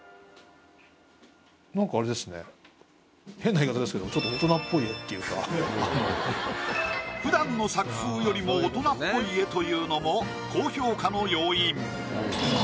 変な言い方ですけど普段の作風よりも大人っぽい絵というのも高評価の要因。